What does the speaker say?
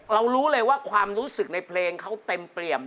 รู้เลยว่าความรู้สึกในเพลงเขาเต็มเปรียม